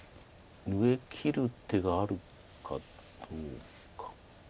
上切る手があるかどうか。